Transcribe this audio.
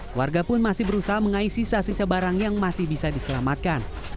keluarga pun masih berusaha mengaih sisa sisa barang yang masih bisa diselamatkan